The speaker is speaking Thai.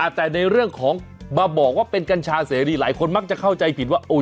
แต่ในเรื่องของมาบอกว่าเป็นกัญชาเสรีหลายคนมักจะเข้าใจผิดว่า